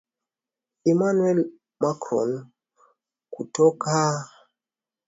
Emanuel Macron kutaka jambo hilo lijadiliwe katika mkutano